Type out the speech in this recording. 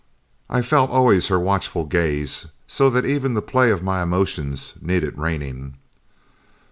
I felt always her watchful gaze, so that even the play of my emotions needed reining.